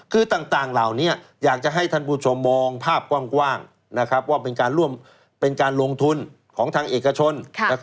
คือต่างเหล่านี้อยากจะให้ท่านผู้ชมมองภาพกว้างว่าเป็นการลงทุนของทางเอกชน